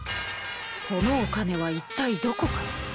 そのお金は一体どこから？